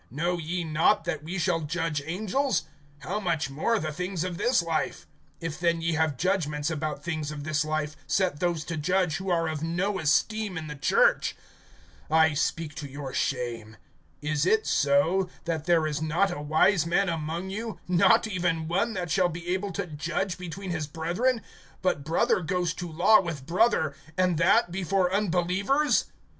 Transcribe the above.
(3)Know ye not that we shall judge angels? How much more the things of this life? (4)If then ye have judgments about things of this life, set those to judge who are of no esteem in the church. (5)I speak to your shame. Is it so, that there is not a wise man among you, not even one that shall be able to judge between his brethren; (6)but brother goes to law with brother, and that before unbelievers?